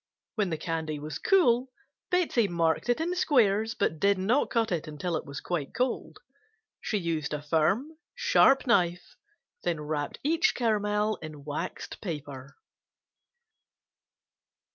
When the candy was cool Betsey marked it in squares but did not cut it until it was quite cold. She used a firm, sharp knife, then wrapped each caramel in waxed paper.